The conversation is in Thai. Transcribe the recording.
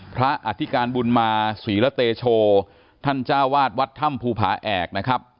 อธิการบุญมาศรีละเตโชท่านจ้าวาดวัดถ้ำภูผาแอกนะครับ